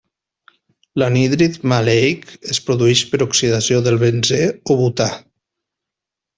L'anhídrid maleic es produeix per oxidació del benzè o butà.